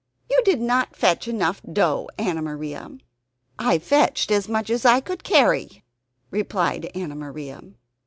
You did not fetch enough dough, Anna Maria." "I fetched as much as I could carry," replied Anna Maria.